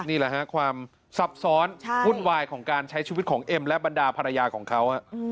นี่แหละฮะความซับซ้อนวุ่นวายของการใช้ชีวิตของเอ็มและบรรดาภรรยาของเขา